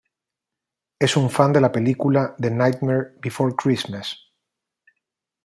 Es un fan de la película The Nightmare Before Christmas.